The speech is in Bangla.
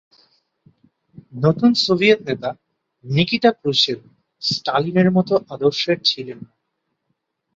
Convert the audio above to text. নতুন সোভিয়েত নেতা, নিকিতা ক্রুশ্চেভ, স্ট্যালিনের মতো আদর্শের ছিলেন না।